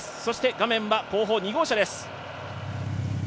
画面は後方２号車です。